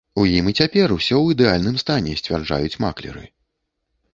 У ім і цяпер усё ў ідэальным стане, сцвярджаюць маклеры.